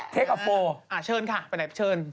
เทกฮโปอะเชิญค่ะไปไหนฟะเชิญอ๋อ